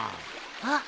あっ！